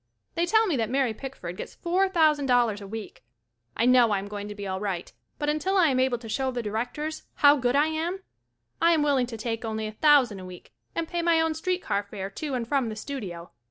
They tell me that Mary Pickford gets four thousand dollars a week. I know 1 am going to be alright, but until I am able to show the Directors how good I am, I am willing to take only a thousand a week and pay my own street car fare to and from the studio.